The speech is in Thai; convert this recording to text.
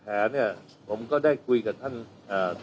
แล้วตอนนี้ชัดเจนหรือยังฮะ